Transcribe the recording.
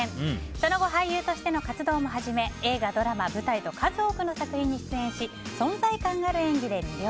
その後、俳優としての活動も始め映画、ドラマ、舞台と数多くの作品に出演し存在感ある演技で魅了。